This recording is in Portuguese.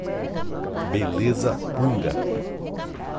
Beleza pura.